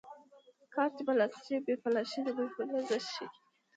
کار چې په سلا شي بې بلا شي د مشورې ارزښت ښيي